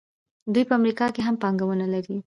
دوی په امریکا کې هم پانګونه لري.